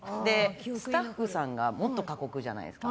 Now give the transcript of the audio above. スタッフさんがもっと過酷じゃないですか。